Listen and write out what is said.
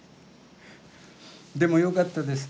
でもよかったです。